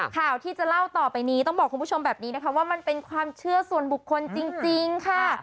ข่าวที่จะเล่าต่อไปนี้ต้องบอกคุณผู้ชมแบบนี้นะคะว่ามันเป็นความเชื่อส่วนบุคคลจริงค่ะ